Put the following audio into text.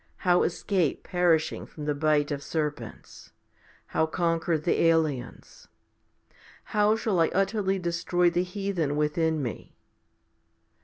how escape perishing from the bite of serpents ? how conquer the aliens ? How shall I utterly destroy the heathen within me